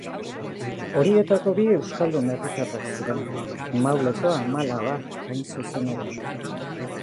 Horietako bi euskal herritarrak ziren: Mauleko ama-alaba hain zuzen ere.